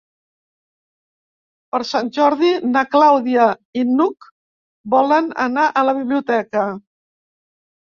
Per Sant Jordi na Clàudia i n'Hug volen anar a la biblioteca.